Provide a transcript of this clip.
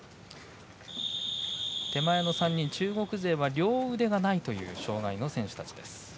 手前の３人、中国勢は両腕がないという障がいの選手たちです。